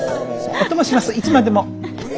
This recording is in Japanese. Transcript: お供しますいつまでも！